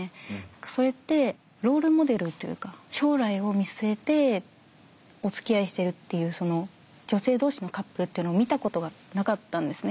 それってロール・モデルというか将来を見据えておつきあいしてるっていうその女性同士のカップルっていうのを見たことがなかったんですね。